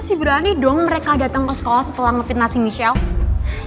masih berani dong mereka datang ke sekolah setelah nge fitnahi michelle